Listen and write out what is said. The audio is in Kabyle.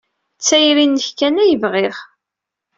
D tayri-nnek kan ay bɣiɣ.